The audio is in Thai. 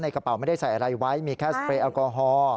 กระเป๋าไม่ได้ใส่อะไรไว้มีแค่สเปรย์แอลกอฮอล์